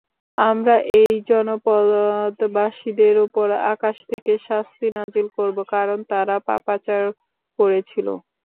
আমরা এই জনপদবাসীদের উপর আকাশ থেকে শাস্তি নাযিল করব, কারণ তারা পাপাচার করেছিল।